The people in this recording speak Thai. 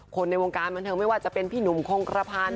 ในวงการบันเทิงไม่ว่าจะเป็นพี่หนุ่มคงกระพันธ์